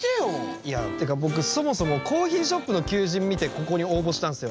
いやってかぼくそもそもコーヒーショップのきゅうじんみてここにおうぼしたんすよ。